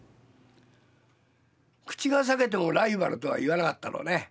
口が裂けてもライバルとは言わなかったろうね。